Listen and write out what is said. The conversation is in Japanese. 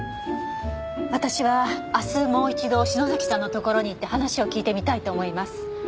私は明日もう一度篠崎さんのところに行って話を聞いてみたいと思います。